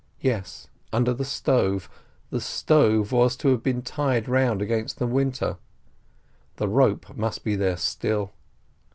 Yes, under the stove — the stove was to have been tied round against the winter. The rope must be there still.